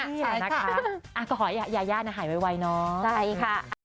ใช่นะคะอ้าวขอยายานะหายไว้ไว้เนอะใช่ค่ะ